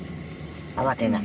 慌てない。